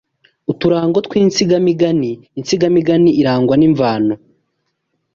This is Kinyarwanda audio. Uturango tw’insigamigani Insigamigani irangwa n’imvano